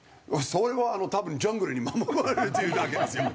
それはあの多分ジャングルに守られるというだけですよ。